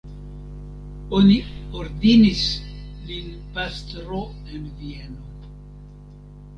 Oni ordinis lin pastro en Vieno.